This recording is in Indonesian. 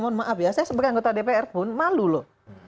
mohon maaf ya saya sebagai anggota dpr pun malu loh